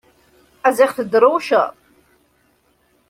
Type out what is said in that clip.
Ziɣ tedrewceḍ!